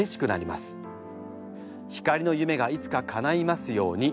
晃の夢がいつかかないますように。